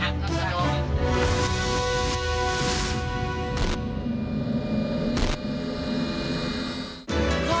สวัสดีค่ะสวัสดีค่ะ